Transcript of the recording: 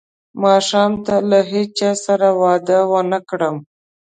ماښام ته له هیچا سره وعده ونه کړم.